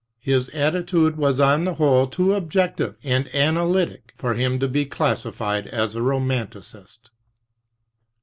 His attitude was on the whole too objective and analytic for him to be classified as a roman ticist.